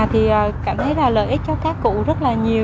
thì cảm thấy là lợi ích cho các cụ rất là nhiều